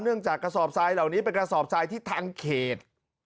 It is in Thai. จากกระสอบทรายเหล่านี้เป็นกระสอบทรายที่ทางเขต